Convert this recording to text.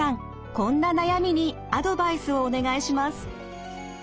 こんな悩みにアドバイスをお願いします。